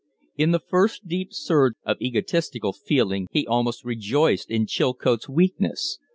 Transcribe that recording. In the first deep surge of egotistical feeling he almost rejoiced in Chilcote's weakness.